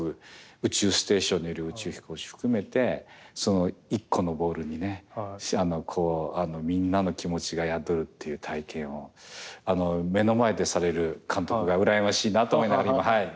宇宙ステーションにいる宇宙飛行士含めて１個のボールにねこうみんなの気持ちが宿るっていう体験を目の前でされる監督が羨ましいなと思いながら見ております。